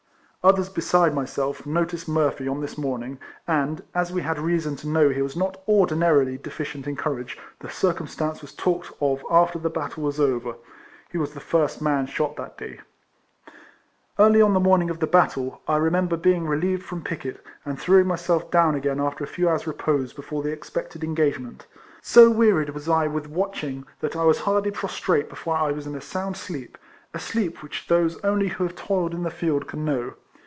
Others besides myself noticed Murphy on this morning, and, as we had reason to know he was not ordinarily deficient in courage, the circumstance was talked of after the battle was over. He was the first man shot that day. Early on the morning of the battle, I re member being relieved from picket, and throwing myself down ^o gain a few hour's repose before the expected engagement. So wearied was I with watching that I was hardly prostrate before I was in a sound sleep, — a sleep, which those only who have toiled in the field can know.